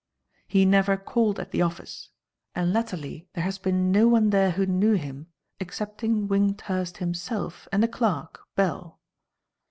He never called at the office, and latterly there has been no one there who knew him excepting Wyndhurst himself and the clerk, Bell.